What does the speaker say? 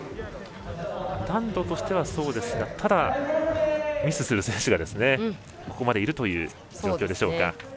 難度としてはそうですがただ、ミスする選手がここまでいるという状況でしょうか。